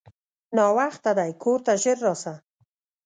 ناوخته دی کورته ژر راسه!